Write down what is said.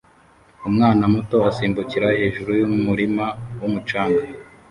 Umwana muto asimbukira hejuru yumurima wumucanga